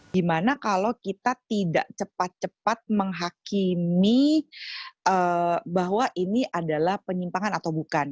dimana kalau kita tidak cepat cepat menghakimi bahwa ini adalah penyimpangan atau bukan